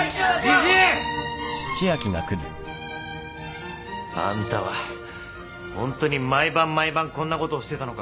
じじい！あんたはホントに毎晩毎晩こんなことをしてたのか。